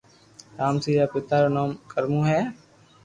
رامسي رآ پيتا رو نو ڪرمون ھي